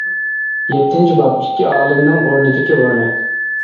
يەتتىنچى باب «ئىككى ئالىمنىڭ ئوردىدىكى ئورنى» .